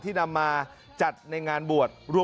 นำมาจัดในงานบวช